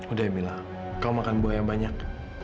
udah ya mila kamu makan buah yang banyak